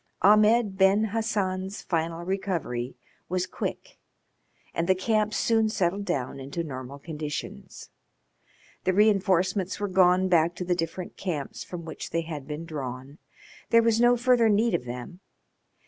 Ahmed Ben Hassan's final recovery was quick, and the camp soon settled down into normal conditions. The reinforcements were gone back to the different camps from which they had been drawn. There was no further need of them.